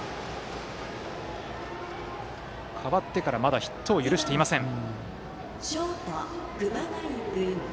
代わってからまだヒットを許していません松成。